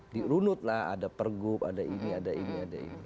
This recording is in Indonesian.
dirunutlah ada pergub ada ini ada ini ada ini